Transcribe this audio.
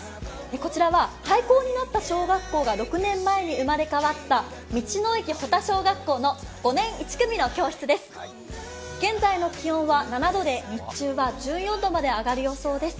こちらは廃校になった小学校が６年前に生まれ変わった道の駅保田小学校の５年１組の教室です。